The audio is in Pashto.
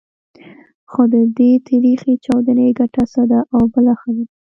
خو د دې تریخې چاودو ګټه څه ده؟ او بله خبره.